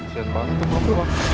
kasian banget tuh bapak